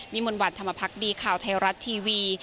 มนต์วันธรรมพักดีข่าวไทยรัฐทีวี